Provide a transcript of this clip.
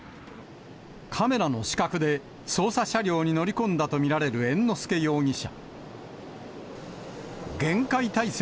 カメラの死角で捜査車両に乗り込んだと見られる猿之助容疑者。